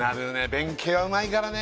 弁慶はうまいからね